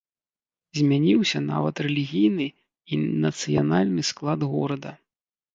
Змяніўся нават рэлігійны і нацыянальны склад горада.